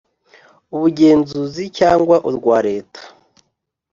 ubugenzuzi cyangwa urwa Leta;